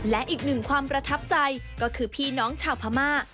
และอีกหนึ่งความประทับใจก็คือพี่น้องชาวพม่า